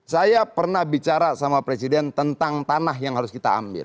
saya pernah bicara sama presiden tentang tanah yang harus kita ambil